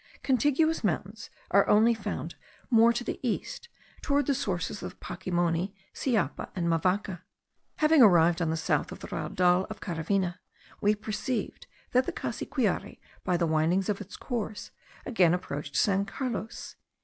Contiguous mountains are only found more to the east, towards the sources of the Pacimoni, Siapa, and Mavaca. Having arrived on the south of the Raudal of Caravine, we perceived that the Cassiquiare, by the windings of its course, again approached San Carlos.